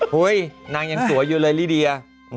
เฮ้ยนางยังสวยอยู่เลยลิเดีย